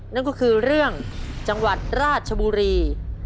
นั่นก็คือเรื่องจังหวัดราชบุรี